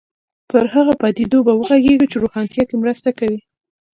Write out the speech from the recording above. پر هغو پدیدو به وغږېږو چې روښانتیا کې مرسته کوي.